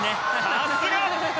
さすが！